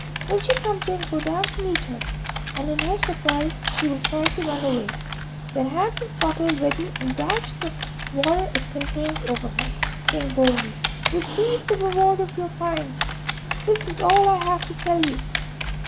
When she comes in, go down to meet her, and in her surprise, she will try to run away. Then have this bottle ready, and dash the water it contains over her, saying boldly, "Receive the reward of your crimes." That is all I have to tell you."